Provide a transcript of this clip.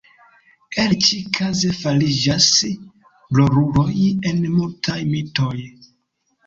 El ĉi-kaze fariĝas roluloj en multaj mitoj.